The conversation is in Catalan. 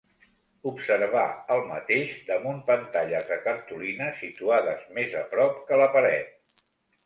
Observà el mateix damunt pantalles de cartolina situades més a prop que la paret.